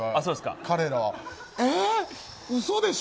彼らは。あ。